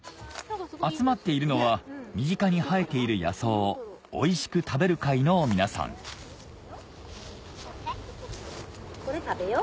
集まっているのは身近に生えている野草をおいしく食べる会の皆さんこれ食べよう。